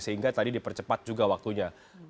sehingga tadi dipercepat juga waktunya